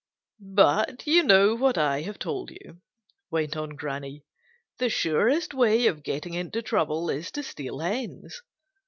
"But you know what I have told you," went on Granny. "The surest way of getting into trouble is to steal hens.